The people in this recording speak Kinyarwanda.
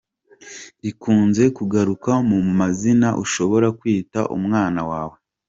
Rikunze kugaruka mu mazina ushobora kwita umwana wawe